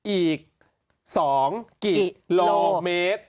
อีกสองกิโลเมตร